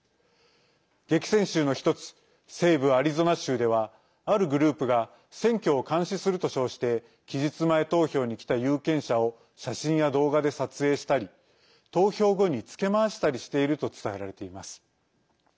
激戦州の１つ西部アリゾナ州ではあるグループが選挙を監視すると称して期日前投票に来た有権者を写真や動画で撮影したり投票後につけ回したりしていると伝えられています。